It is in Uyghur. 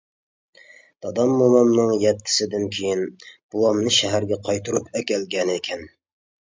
دادام مومامنىڭ يەتتىسىدىن كېيىن بوۋامنى شەھەرگە قايتۇرۇپ ئەكەلگەنىكەن.